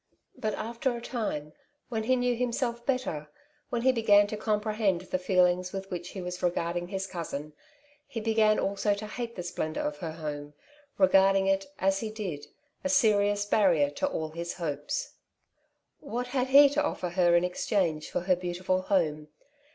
But after a time, when he knew himself better — when he began to comprehend the feelings 24 " Two Sides to every Question^ with which he was regarding his cousin — ^he began also to hate the splendour of her home, regarding it, as he did, a serious barrier to all his hopes. What had he to offer her in exchange for her beautiful home